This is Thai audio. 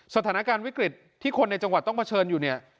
สถานการณ์วิกฤตที่คนในจังหวัดต้องเผชิญอยู่เนี่ย